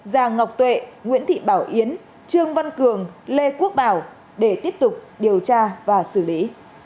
già ngọc tuệ nguyễn thị bảo yến trương văn cường lê quốc bảo để tiếp tục điều tra và xử lý